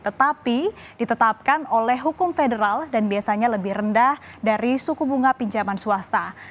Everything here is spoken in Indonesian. tetapi ditetapkan oleh hukum federal dan biasanya lebih rendah dari suku bunga pinjaman swasta